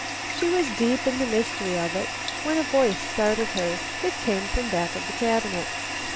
She was deep in the mystery of it when a voice startled her. It came from back of the cabinet.